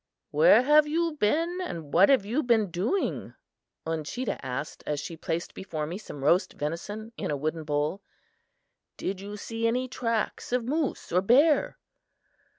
"Where have you been and what have you been doing?" Uncheedah asked as she placed before me some roast venison in a wooden bowl. "Did you see any tracks of moose or bear?"